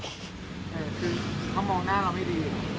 คือเขามองหน้าเราไม่ดี